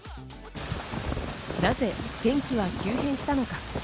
なぜ天気は急変したのか。